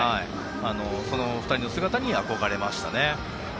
その２人の姿に憧れましたね。